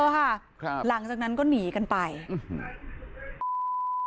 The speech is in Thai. มีชายแปลกหน้า๓คนผ่านมาทำทีเป็นช่วยค่างทาง